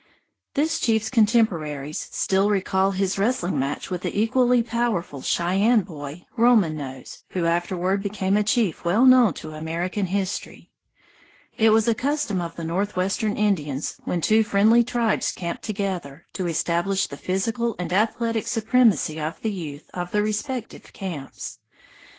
This chief's contemporaries still recall his wrestling match with the equally powerful Cheyenne boy, Roman Nose, who afterward became a chief well known to American history. It was a custom of the northwestern Indians, when two friendly tribes camped together, to establish the physical and athletic supremacy of the youth of the respective camps.